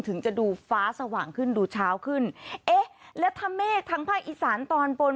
ถึงจะดูฟ้าสว่างขึ้นดูเช้าขึ้นเอ๊ะแล้วถ้าเมฆทางภาคอีสานตอนบน